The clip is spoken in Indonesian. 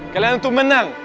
kalian itu menang